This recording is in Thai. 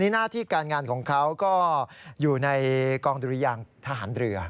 หน้าที่การงานของเขาก็อยู่ในกองดุรยางทหารเรือ